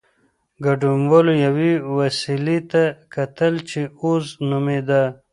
ګډونوالو یوې وسيلې ته کتل چې "اوز" نومېده.